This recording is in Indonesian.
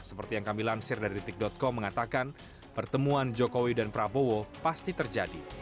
seperti yang kami lansir dari detik com mengatakan pertemuan jokowi dan prabowo pasti terjadi